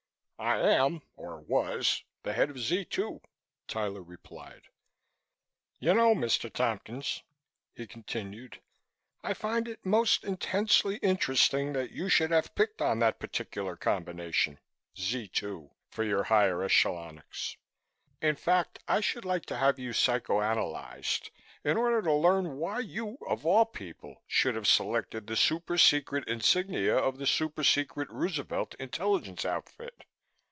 "I am or was the head of Z 2," Tyler replied. "You know, Mr. Tompkins," he continued, "I find it most intensely interesting that you should have picked on that particular combination Z 2 for your higher echelonics. In fact, I should like to have you psycho analyzed, in order to learn why you, of all people, should have selected the super secret insignia of the super secret Roosevelt intelligence outfit.